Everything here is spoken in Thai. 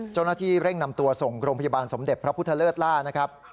เจ้าหน้าที่เร่งนำตัวส่งโรงพยาบาลสมเด็จพระพุทธเลิศล่านะครับ